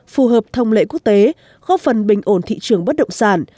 phù hợp thông lệ quốc tế góp phần bình ổn thị trường bất động sản